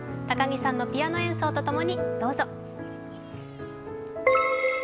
高木さんのピアノ演奏とともにどうぞ。